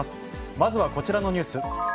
まずはこちらのニュース。